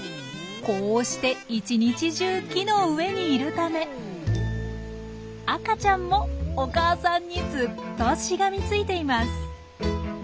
こうして一日中木の上にいるため赤ちゃんもお母さんにずっとしがみついています。